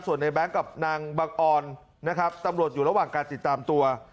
ส่วนในแบงค์กับนางบังออนนะครับตำรวจอยู่ระหว่างการติดตามตัว